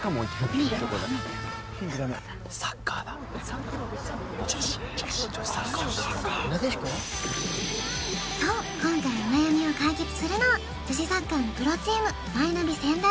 ピンクダメそう今回お悩みを解決するのは女子サッカーのプロチーム